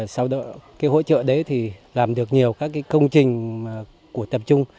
sau đó hỗ trợ đấy thì làm được nhiều các công trình của tập trung